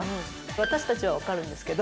私たちは分かるんですけど。